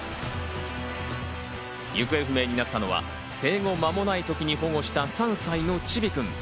行方不明になったのは、生後間もないときに保護した３歳のちびくん。